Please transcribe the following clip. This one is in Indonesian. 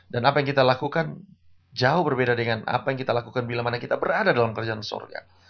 dan apa yang kita lakukan jauh berbeda dengan apa yang kita lakukan bila kita berada dalam kerjaan sorga